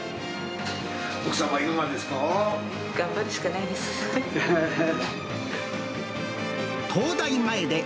奥様はいかがですか？